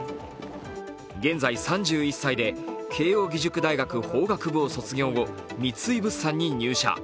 現在３１歳で、慶応義塾大学法学部を卒業後、三井物産に入社。